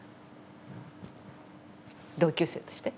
同級生として。